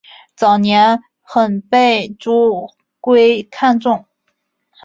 早年很被朱圭看重。